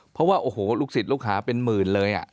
เพราะว่าโอ้โหลูกศิษย์ลูกหาเป็นหมื่นเลย